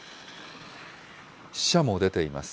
死者も出ています。